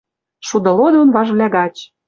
Шуды лодон важвлӓ гач